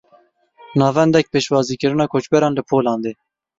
Navendek pêşwazîkirina koçberan li Polandê.